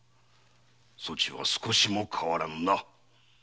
そちは少しも変わらぬな。